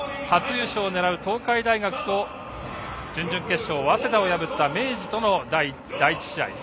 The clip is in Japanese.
初優勝を狙う東海大学と準々決勝、早稲田を破った明治との第１試合。